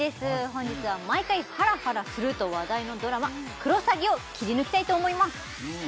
本日は毎回ハラハラすると話題のドラマ「クロサギ」をキリヌキたいと思います